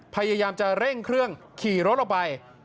พยายามจะเร่งเครื่องขี่รถออกไป